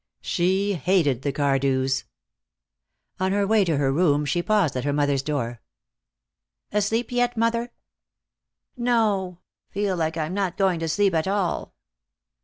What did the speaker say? She hated the Cardews. On her way to her room she paused at her mother's door. "Asleep yet, mother?" "No. Feel like I'm not going to sleep at all."